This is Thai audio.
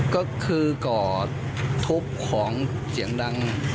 ก็คือก่อทุบของเสียงดัง